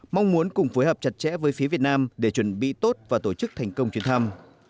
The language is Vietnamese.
mong muốn cùng phối hợp chặt chẽ với phía việt nam để chuẩn bị tốt và tổ chức thành công chuyến thăm